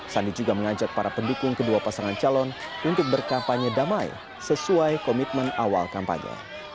sandi juga mengajak para pendukung kedua pasangan calon untuk berkampanye damai sesuai komitmen awal kampanye